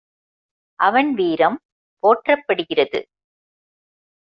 அவன் வீரம் போற்றப்படுகிறது.